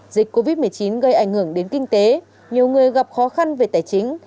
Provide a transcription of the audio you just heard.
dịch covid một mươi chín gây ảnh hưởng đến kinh tế nhiều người gặp khó khăn về tài chính